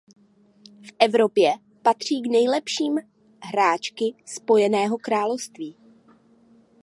V Evropě patří k nejlepším hráčky Spojeného království.